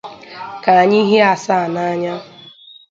ka anyị hie asaa n'anya